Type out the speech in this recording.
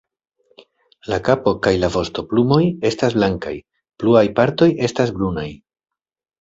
La kapo kaj la vostoplumoj estas blankaj, pluaj partoj estas brunaj.